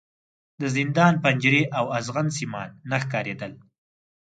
د زندان پنجرې او ازغن سیمان نه ښکارېدل.